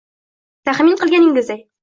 Tahmin qilganingizday